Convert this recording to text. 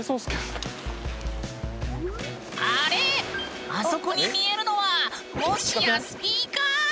あれ⁉あそこに見えるのはもしやスピーカー？